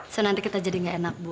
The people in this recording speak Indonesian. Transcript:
so nanti kita jadi nggak enak bu